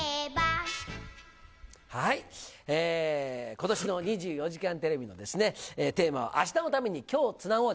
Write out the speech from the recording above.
ことしの２４時間テレビのテーマは明日のために、今日つながろう。